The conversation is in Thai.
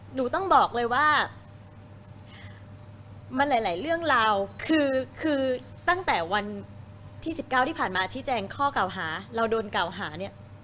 หนูต้องบอกเลยว่ามันหลายเรื่องราวคือตั้งแต่วันที่๑๙ที่ผ่านมาชี้แจงข้อเก่าหาเราโดนเก่าหาเนี่ย